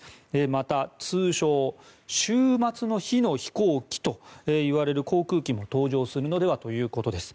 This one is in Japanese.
また、通称・終末の日の飛行機といわれる航空機も登場するのではということです。